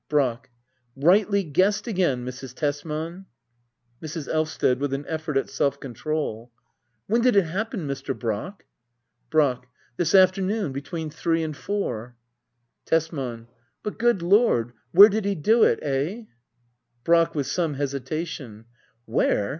Brack. Rightly guessed again^ Mrs. Tesman. Mrs. Elvsted. \WUh an effort at self control,'] When did it happen^ Mr. Brack > Brack. This afternoon — between three and four. Tesman. But^ good Lord^ where did he do it ? Eh ? Brack. [With some hesitation,] Where?